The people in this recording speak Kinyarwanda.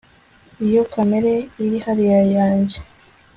iyo kamera iri hariya yanjye